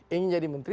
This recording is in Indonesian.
ingin jadi menteri